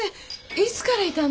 いつからいたの？